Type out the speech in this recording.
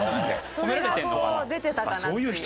それが出てたかなっていう。